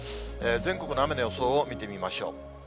全国の雨の予想を見てみましょう。